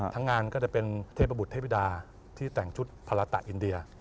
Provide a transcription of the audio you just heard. ทั้งงานก็จะเป็นเทพบุตรเทพิดาที่แต่งชุดภาระตะอินเดีย